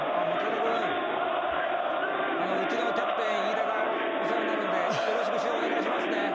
松枝君、うちのキャプテン飯田がお世話になるんでよろしくお願いしますね。